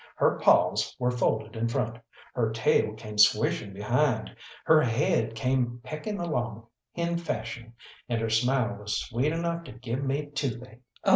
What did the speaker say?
Her paws were folded in front, her tail came swishing behind, her head came pecking along hen fashion, and her smile was sweet enough to give me toothache.